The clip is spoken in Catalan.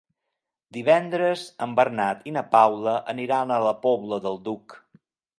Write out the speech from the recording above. Divendres en Bernat i na Paula aniran a la Pobla del Duc.